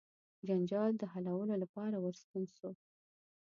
جنجال د حلولو لپاره ورستون سو.